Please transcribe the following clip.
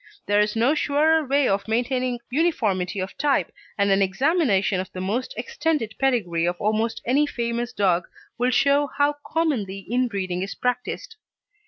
There is no surer way of maintaining uniformity of type, and an examination of the extended pedigree of almost any famous dog will show how commonly inbreeding is practised.